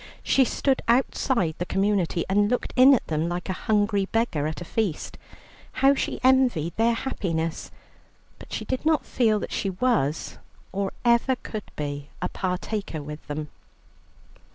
She stood outside the community, and looked in at them like a hungry beggar at a feast. How she envied their happiness, but she did not feel that she was, or ever could be, a partaker with them.